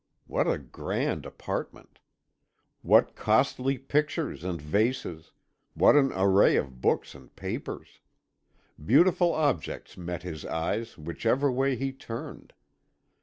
What a grand apartment! What costly pictures and vases, what an array of books and papers! Beautiful objects met his eyes whichever way he turned.